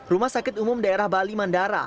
rumah sakit umum daerah bali mandara